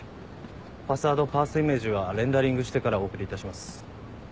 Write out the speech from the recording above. ファサードパースイメージはレンダリングしてからお送りいたします。